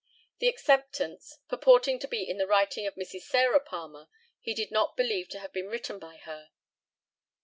The acceptance, purporting to be in the writing of Mrs. Sarah Palmer, he did not believe to have been written by her.